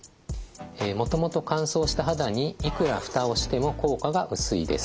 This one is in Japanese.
もともと乾燥した肌にいくら蓋をしても効果が薄いです。